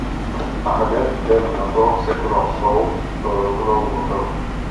A hned den na to se konal soud a to rovnou v hotelu.